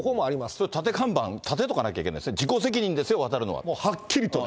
それ立て看板、立てとかなきゃいけないですね、自己責任ですよ、はっきりとね。